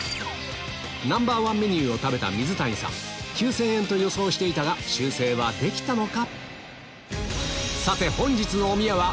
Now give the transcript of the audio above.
Ｎｏ．１メニューを食べた水谷さん９０００円と予想していたが修正はできたのか？